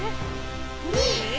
２！